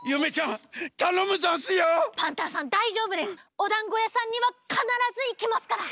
おだんごやさんにはかならずいけますから！